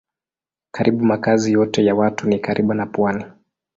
Karibu makazi yote ya watu ni karibu na pwani.